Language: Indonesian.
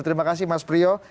terima kasih mas priyo